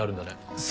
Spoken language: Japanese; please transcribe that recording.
そう。